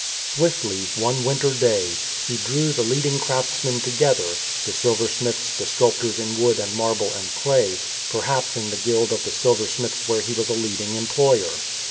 Swiftly, one winter day, he drew the leading crafts men together (the silversmiths, the sculptors in wood and marble and clay), perhaps in the guild of the silversmiths where he was a leading employer.